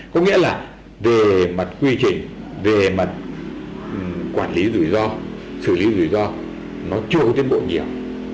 có nghĩa là về mặt quy trình về mặt quản lý rủi ro xử lý rủi ro nó chưa có tiến bộ nhiều